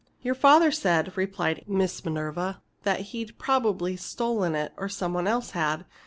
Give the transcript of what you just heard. "Your father said," replied Miss Minerva, "that he'd probably stolen it, or somebody else had.